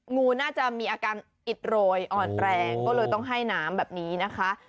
งูน่าจะมีอาการอิดโรยอ่อนแรงก็เลยต้องให้น้ำแบบนี้นะคะ